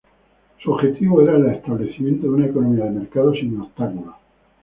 Su objetivo era el establecimiento de una economía de mercado sin obstáculos.